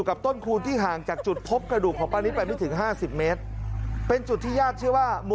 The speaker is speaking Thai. ก็อยู่ทางโรงกะล้องแกก็แก่แล้ว